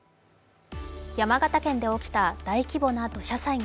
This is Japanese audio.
山形県で起きた大規模な土砂災害。